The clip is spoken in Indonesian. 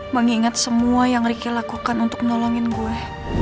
mengingat semua yang ricky lakukan untuk nolongin gue